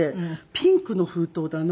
ピンクの封筒だな。